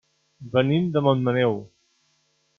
Venim de Montmaneu.